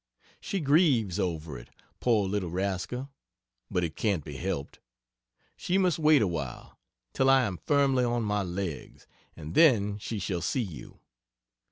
She grieves over it, poor little rascal, but it can't be helped. She must wait awhile, till I am firmly on my legs, & then she shall see you.